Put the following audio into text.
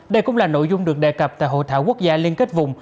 đây cũng là nội dung được đề cập tại hội thảo quốc gia liên kết vùng